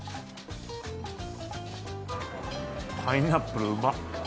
パイナップル、うまっ。